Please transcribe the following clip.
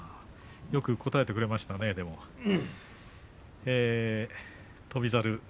よく答えてくれましたね翔猿。